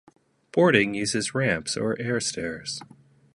Boarding uses ramps or airstairs.